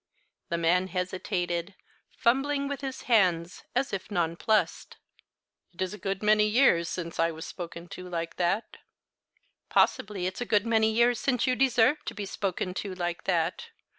The man hesitated, fumbling with his hands, as if nonplussed. "It's a good many years since I was spoken to like that." "Possibly it's a good many years since you deserved to be spoken to like that.